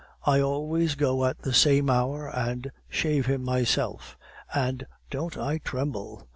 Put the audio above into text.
I always go at the same hour and shave him myself; and don't I tremble!